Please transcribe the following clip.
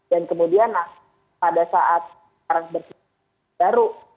dan kemudian pada saat orang baru